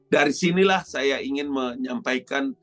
dari sinilah saya ingin menyampaikan